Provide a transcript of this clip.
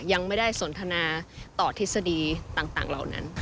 ยังไม่ได้สนทนาต่อทฤษฎีต่างเหล่านั้น